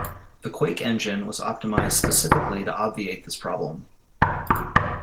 The "Quake" engine was optimized specifically to obviate this problem.